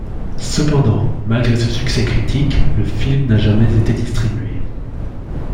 Cependant, malgré ce succès critique, le film n'a jamais été distribué.